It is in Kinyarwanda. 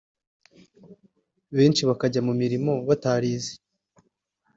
benshi bakajya mu mirimo batarize